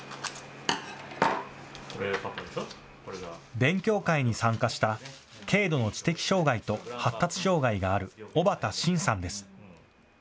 勉強会に参加した軽度の知的障害と発達障害がある尾端紳さんです。